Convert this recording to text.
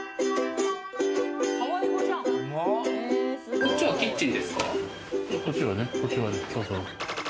こっちはキッチンですか？